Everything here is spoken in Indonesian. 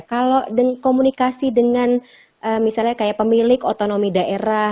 kalau komunikasi dengan misalnya kayak pemilik otonomi daerah